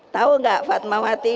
tahu nggak fatmawati